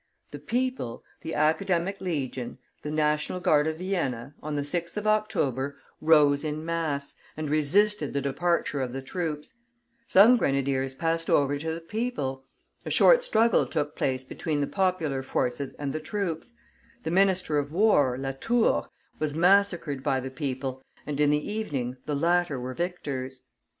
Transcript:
The people, the Academic Legion, the National Guard of Vienna, on the 6th of October rose in mass, and resisted the departure of the troops; some grenadiers passed over to the people; a short struggle took place between the popular forces and the troops; the minister of war, Latour, was massacred by the people, and in the evening the latter were victors.